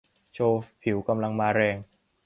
โชว์ผิวกำลังมาแรง